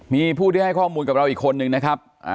มีผู้ที่ให้ข้อมูลกับเราอีกคนนึงนะครับ